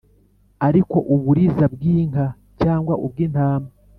Ariko uburiza bw inka cyangwa ubw intama